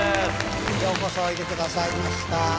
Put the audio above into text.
ようこそおいでくださいました。